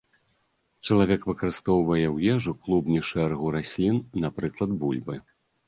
Чалавек выкарыстоўвае ў ежу клубні шэрагу раслін, напрыклад, бульбы.